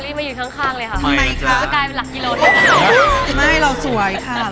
ไม่เราสวยค่ะเราสวย